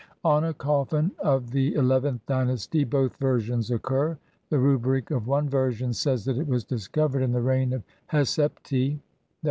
On a coffin of the Xlth dynasty both versions occur. The rubric of one version says that it was discovered in the reign of Hesep ti, i.